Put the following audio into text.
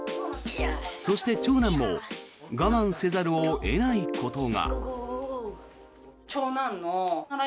そして、長男も我慢せざるを得ないことが。